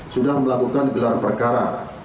sudah melakukan gelar perkara